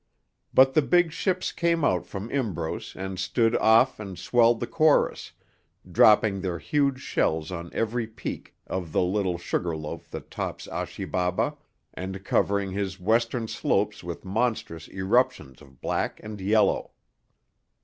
But the big ships came out from Imbros and stood off and swelled the chorus, dropping their huge shells on the very peak of the little sugar loaf that tops Achi Baba, and covering his western slopes with monstrous eruptions of black and yellow.